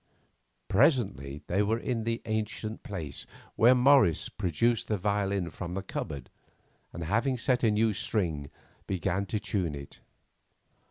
Presently they were in the ancient place, where Morris produced the violin from the cupboard, and having set a new string began to tune it.